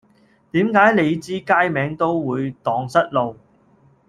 點解你知街名都會盪失路